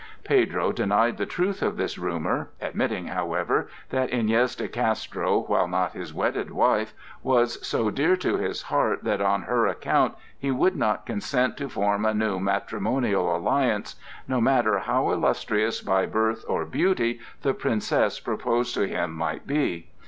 Pedro denied the truth of this rumor, admitting, however, that Iñez de Castro, while not his wedded wife, was so dear to his heart that on her account he would not consent to form a new matrimonial alliance, no matter how illustrious by birth or beauty the princess proposed to him might be.